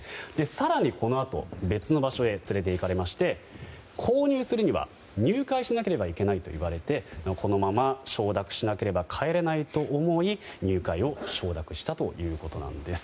更にこのあと別の場所へ連れていかれまして購入するには入会しなくてはいけないと言われてこのまま承諾しなければ帰れないと思い入会を承諾したということなんです。